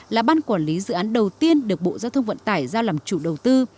là ban quản lý dự án đầu tiên được bộ giao thông vận tải ra làm chủ đầu tư